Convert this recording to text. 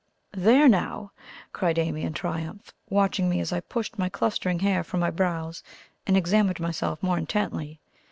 "There now!" cried Amy in triumph, watching me as I pushed my clustering hair from my brows, and examined myself more intently.